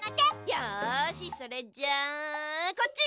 よしそれじゃあこっち！